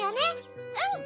うん！